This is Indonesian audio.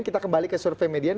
kita kembali ke survei median